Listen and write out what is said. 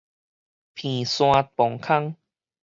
彭山磅空